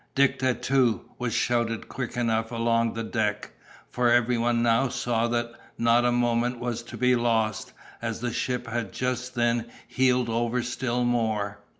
"Dick Tattoo" was shouted quick enough along the deck, for every one now saw that not a moment was to be lost, as the ship had just then heeled over still more.